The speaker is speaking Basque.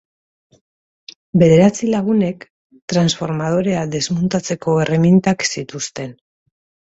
Bederatzi lagunek trasformadorea desmuntatzeko erremintak zituzten.